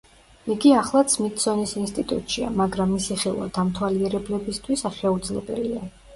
იგი ახლაც სმითსონის ინსტიტუტშია, მაგრამ მისი ხილვა დამთვალიერებლებისთვის შეუძლებელია.